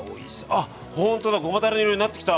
あっほんとだごまだれ色になってきた。